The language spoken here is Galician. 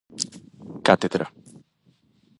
Cátedra.